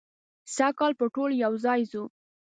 سږ کال به ټول یو ځای ځو.